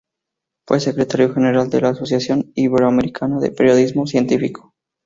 Fue Secretario general de la Asociación Iberoamericana de Periodismo Científico.